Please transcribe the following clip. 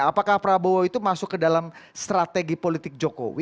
apakah prabowo itu masuk ke dalam strategi politik jokowi